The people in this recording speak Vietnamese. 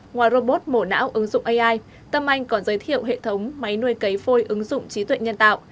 ngoài robot mổ não ứng dụng ai tâm anh còn giới thiệu hệ thống máy nuôi cấy phôi ứng dụng trí tuệ nhân tạo